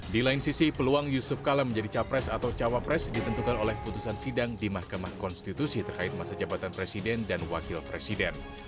di lain sisi peluang yusuf kala menjadi capres atau cawapres ditentukan oleh putusan sidang di mahkamah konstitusi terkait masa jabatan presiden dan wakil presiden